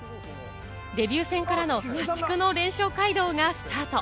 デビュー戦からの破竹の連勝街道がスタート。